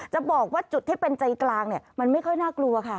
จะบอกว่าจุดที่เป็นใจกลางเนี่ยมันไม่ค่อยน่ากลัวค่ะ